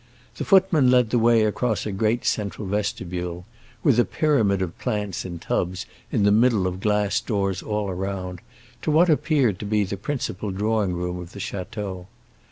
The footman led the way across a great central vestibule, with a pyramid of plants in tubs in the middle of glass doors all around, to what appeared to be the principal drawing room of the château.